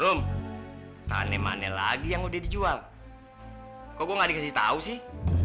rom tanah mana lagi yang udah dijual kok nggak dikasih tahu sih